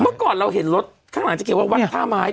เมื่อก่อนเราเห็นรถข้างหลังจะเขียนว่าวัดท่าไม้